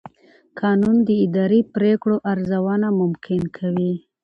قانون د اداري پرېکړو ارزونه ممکن کوي.